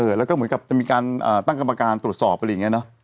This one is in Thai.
แล้วก็เหมือนกับจะมีการตั้งกรรมการตรวจสอบอะไรอย่างนี้เนอะ